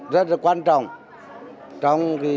rất là quan trọng trong tạo việc làm